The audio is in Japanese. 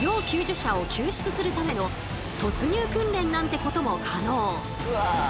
救助者を救出するための突入訓練なんてことも可能。